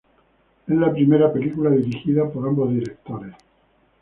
Es la primera película dirigida por ambos directores.